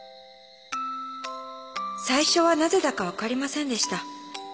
「最初はなぜだか分かりませんでした。